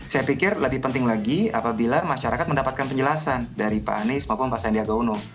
saya pikir lebih penting lagi apabila masyarakat mendapatkan penjelasan dari pak anies maupun pak sandiaga uno